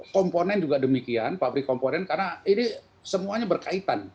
komponen juga demikian pabrik komponen karena ini semuanya berkaitan